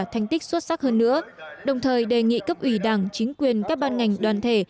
thành tích xuất sắc hơn nữa đồng thời đề nghị cấp ủy đảng chính quyền các ban ngành đoàn thể